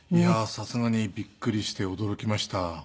さすがにびっくりして驚きました。